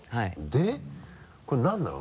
でこれ何なの？